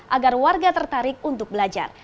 agar warga tertarik untuk belajar